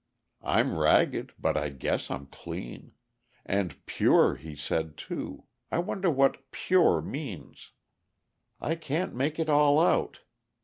I'm ragged, but I guess I'm clean. And pure, he said, too. I wonder what 'pure' means? I can't make it all out.